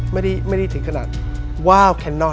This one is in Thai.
ไม่ได้ถึงขนาดว่าวแคนนอน